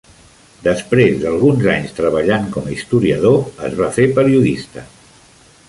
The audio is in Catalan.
Després d'alguns anys treballant com a historiador es va fer periodista.